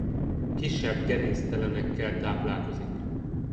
Kisebb gerinctelenekkel táplálkozik.